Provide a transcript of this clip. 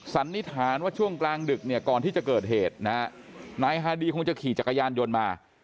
สันนิษฐานว่าช่วงกลางดึกเนี่ยก่อนที่จะเกิดเหตุนะฮะนายฮาดีคงจะขี่จักรยานยนต์มา